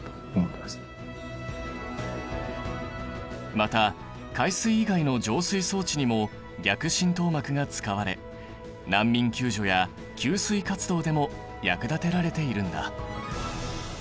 また海水以外の浄水装置にも逆浸透膜が使われ難民救助や給水活動でも役立てられているんだ。